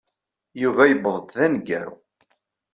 Yuba yewweḍ-d d aneggaru.